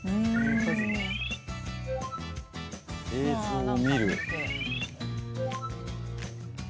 映像を見る。